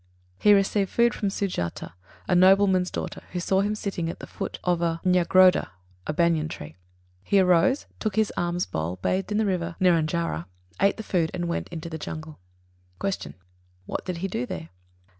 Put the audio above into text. He received food from Sujatā, a nobleman's daughter, who saw him sitting at the foot of a nyagrodha (banyan) tree. He arose, took his alms bowl, bathed in the river Nerañjāra, ate the food, and went into the jungle. 60. Q. _What did he do there?